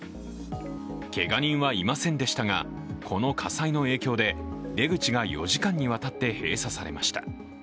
けが人はいませんでしたがこの火災の影響で出口が４時間にわたって閉鎖されました。